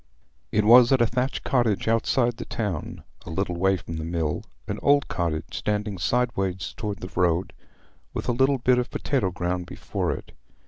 It was at a thatched cottage outside the town, a little way from the mill—an old cottage, standing sideways towards the road, with a little bit of potato ground before it.